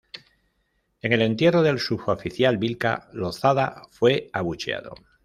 En el entierro del suboficial Vilca, Lozada fue abucheado.